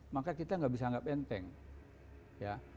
maka kita tidak bisa menganggapnya